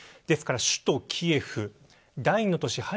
ですから首都キエフ第２の都市